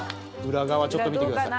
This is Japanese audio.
裏側ちょっと見てください。